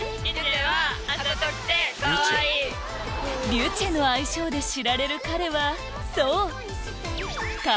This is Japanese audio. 「りゅちぇ」の愛称で知られる彼はそう！